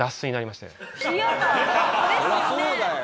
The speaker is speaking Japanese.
そりゃそうだよ。